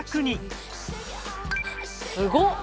すごっ！